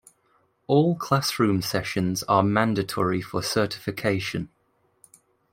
All classroom sessions are mandatory for certification.